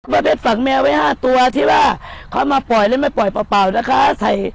ประเภทฝังแมวไว้๕ตัวที่ว่าเขามาปล่อยหรือไม่ปล่อยเปล่านะคะ